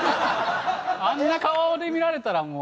あんな顔で見られたらもう。